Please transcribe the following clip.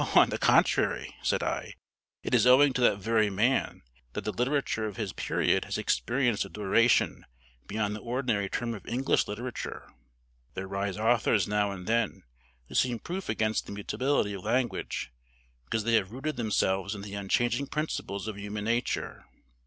"On the contrary," said I, "it is owing to that very man that the literature of his period has experienced a duration beyond the ordinary term of English literature. There rise authors now and then who seem proof against the mutability of language because they have rooted themselves in the unchanging principles of human nature.